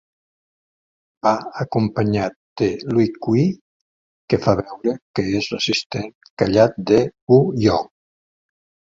Va acompanyat de Li Kui, que fa veure que és l'assistent callat de Wu Yong.